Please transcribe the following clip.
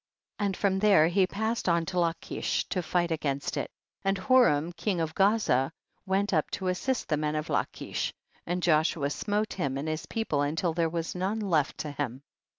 32. And from there he passed on to Lachish to fight against it, and Horam king of Gaza went up to as sist the men of Lachish, and Joshua smote him and his people until there was none left to him.